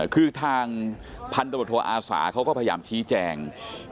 คือทางพันธบทโทอาสาเขาก็พยายามชี้แจง